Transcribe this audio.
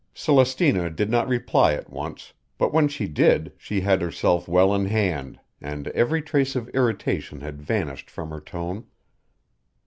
Celestina did not reply at once; but when she did she had herself well in hand, and every trace of irritation had vanished from her tone.